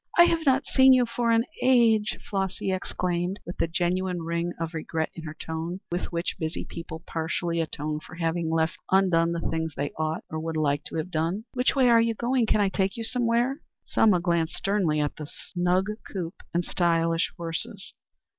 "I have not seen you for an age," Flossy exclaimed, with the genuine ring of regret in her tone, with which busy people partially atone for having left undone the things they ought or would like to have done. "Which way are you going? Can't I take you somewhere?" Selma glanced sternly at the snug coupe and stylish horses.